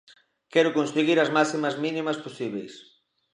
"Quero conseguir as máximas mínimas posíbeis".